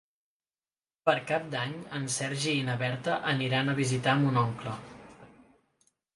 Per Cap d'Any en Sergi i na Berta aniran a visitar mon oncle.